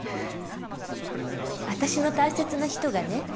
私の大切な人がね